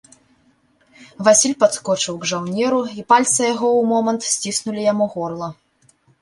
Васіль падскочыў к жаўнеру, і пальцы яго ў момант сціснулі яму горла.